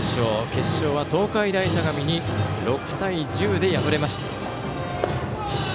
決勝は東海大相模に６対１０で敗れました。